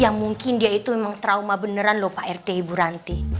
yang mungkin dia itu memang trauma beneran lho pak rt ibu ranti